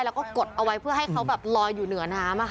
แล้วก็กดเอาไว้เพื่อให้เขาแบบลอยอยู่เหนือน้ำ